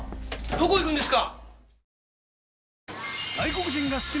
どこ行くんですか！？